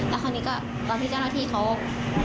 และคณ์นี้ก็ตอนพี่่เจ้าหน้าที่เขา